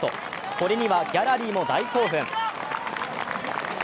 これにはギャラリーも大興奮。